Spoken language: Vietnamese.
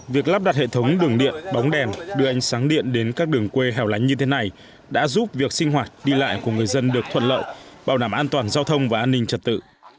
việc lắp đặt hệ thống đường điện bóng đèn đưa ánh sáng điện đến các đường quê hẻo lánh như thế này đã giúp việc sinh hoạt đi lại của người dân được thuận lợi bảo đảm an toàn giao thông và an ninh trật tự